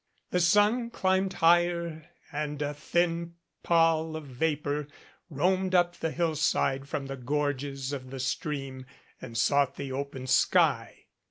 The sun climbed higher and a thin pall of vapor roamed up the hillside from the gorges of the stream and sought the open sky.